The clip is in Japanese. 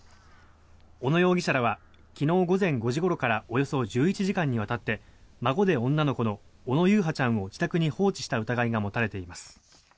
小野容疑者らは昨日午前５時ごろからおよそ１１時間にわたって孫で女の子の小野優陽ちゃんを自宅に放置した疑いが持たれています。